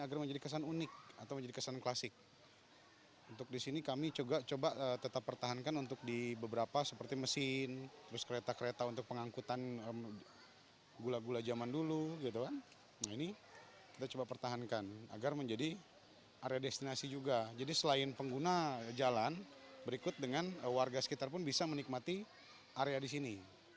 area destinasi juga jadi selain pengguna jalan berikut dengan warga sekitar pun bisa menikmati area di sini